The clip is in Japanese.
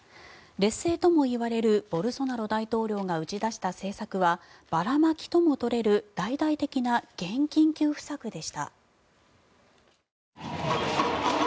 劣勢ともいわれるボルソナロ大統領が打ち出した政策はばらまきとも取れる大々的な現金給付策でした。